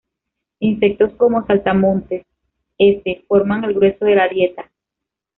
Insectos como saltamontes s forman el grueso de la dieta.